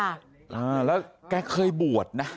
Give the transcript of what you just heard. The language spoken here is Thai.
อ่าแล้วแกเคยบวชนะ